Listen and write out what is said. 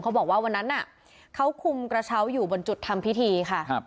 บอกว่าวันนั้นน่ะเขาคุมกระเช้าอยู่บนจุดทำพิธีค่ะครับ